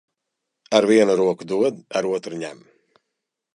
Ar vienu roku dod, ar otru ņem.